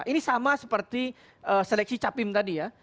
ini sama seperti seleksi capim tadi ya